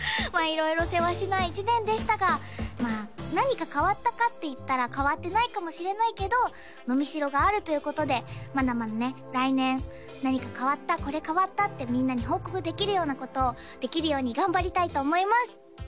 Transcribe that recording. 色々せわしない１年でしたが何か変わったかっていったら変わってないかもしれないけど伸び代があるということでまだまだね来年何か変わったこれ変わったってみんなに報告できるようなことをできるように頑張りたいと思います！